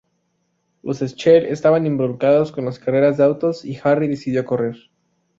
Los Schell estaban involucrados con las carreras de autos y Harry decidió correr.